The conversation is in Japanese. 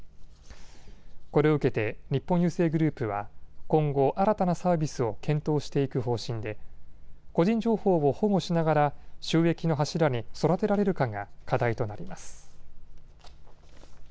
これを受けて日本郵政グループは今後、新たなサービスを検討していく方針で個人情報を保護しながら収益の柱に育てられるかが課題となります。